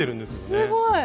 すごい！